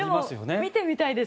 でも、見てみたいです